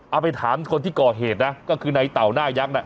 เอาไปถามคนที่ก่อเหตุนะก็คือในเต่าหน้ายักษ์น่ะ